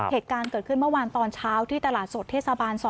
เหตุการณ์เกิดขึ้นเมื่อวานตอนเช้าที่ตลาดสดเทศบาล๒